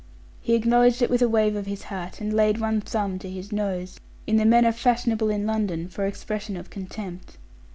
He acknowledged it with a wave of his hat, and laid one thumb to his nose, in the manner fashionable in London for expression of contempt.